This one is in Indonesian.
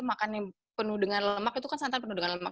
makan yang penuh dengan lemak itu kan santan penuh dengan lemak